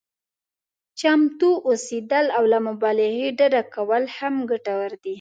چمتو اوسېدل او له مبالغې ډډه کول هم ګټور دي.